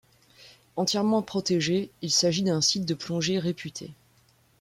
Entièrement protégé, il s'agit d'un site de plongée réputé.